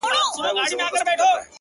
ما اورېدلي چي له مړاوو اوبو سور غورځي-